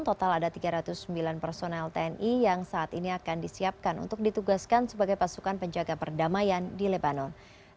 total ada tiga ratus sembilan personel tni yang saat ini akan disiapkan untuk ditugaskan sebagai pasukan penjaga perdamaian di lebanon